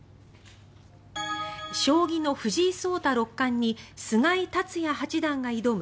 将棋の藤井聡太六冠に菅井竜也八段が挑む